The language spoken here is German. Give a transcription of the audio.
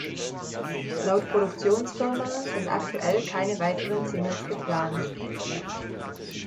Laut Produktionsfirma sind aktuell keine weiteren Singles geplant.